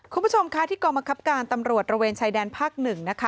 คุณผู้ชมค่ะที่กองบังคับการตำรวจระเวนชายแดนภาค๑นะคะ